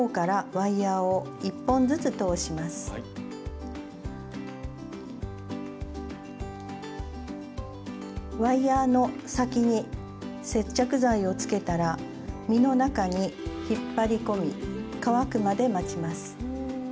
ワイヤーの先に接着剤をつけたら実の中に引っ張り込み乾くまで待ちます。